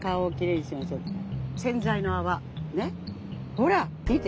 ほら見て。